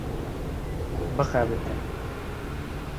bixebite